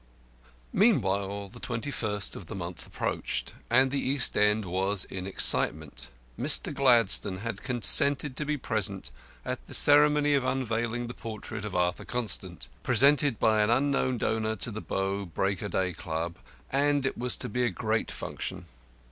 Meantime the twenty first of the month approached, and the East end was in excitement. Mr. Gladstone had consented to be present at the ceremony of unveiling the portrait of Arthur Constant, presented by an unknown donor to the Bow Break o' Day Club, and it was to be a great function.